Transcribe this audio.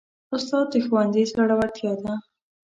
استاد د ښوونځي زړورتیا ده.